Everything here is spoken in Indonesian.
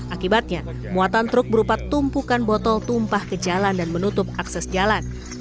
akibatnya muatan truk berupa tumpukan botol tumpah ke jalan dan menutup akses jalan